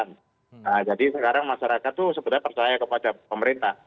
nah jadi sekarang masyarakat itu sebenarnya percaya kepada pemerintah